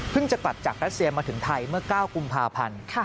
เพิ่งจะตัดจากรัฐเซียมาถึงไทยเมื่อ๙กุมภาพันธ์